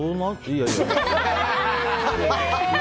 いやいや。